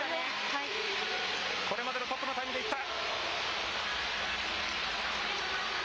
これまでのトップのタイムで行った。